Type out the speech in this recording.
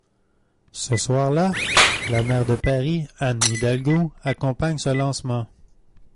Ce soir là, la maire de Paris Anne Hidalgo accompagne ce lancement.